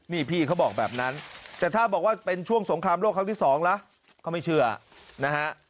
นี่พี่เขาบอกแบบนั้นแต่ถ้าบอกว่าเป็นช่วงสงครามโลกครั้งที่สองละเขาไม่เชื่อนะฮะ